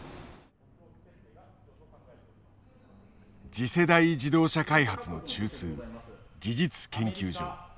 次世代自動車開発の中枢技術研究所。